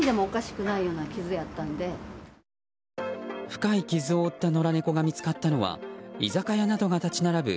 深い傷を負った野良猫が見つかったのは居酒屋などが立ち並ぶ